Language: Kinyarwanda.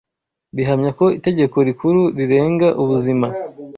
bihamya ko itegeko rikuru rigenga ubuzima